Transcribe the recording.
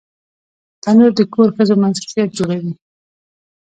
تنور د کور ښځو مصروفیت جوړوي